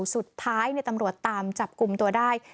สุดท้ายตำรวจตามจับกลุ่มตัวได้